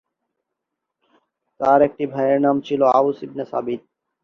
তার একটি ভাইয়ের নাম ছিলো আওস ইবনে সাবিত।